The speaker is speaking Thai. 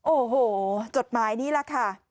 โอ้โหจดหมายนี้แหละค่ะ